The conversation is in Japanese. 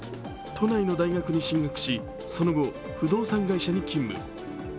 都内の大学に進学しその後不動産会社に勤務。